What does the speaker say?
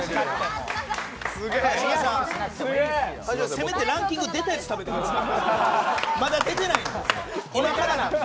せめてランキング出たやつ食べてください。